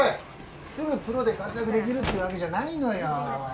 すぐプロで活躍できるってわけじゃないのよ。